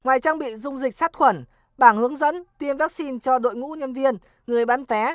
ngoài trang bị dung dịch sát khuẩn bảng hướng dẫn tiêm vaccine cho đội ngũ nhân viên người bán vé